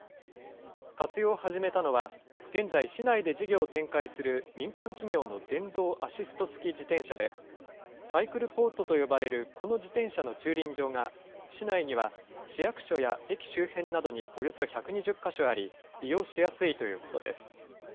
活用を始めたのは、現在、市内で事業を展開する民間企業の電動アシスト付き自動車で、サイクルポートと呼ばれるこの自転車の駐輪場が、市内には市役所や駅周辺などにおよそ１２０か所あり、利用しやすいということです。